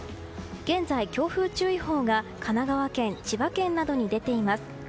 現在、強風注意報が神奈川県千葉県などに出ています。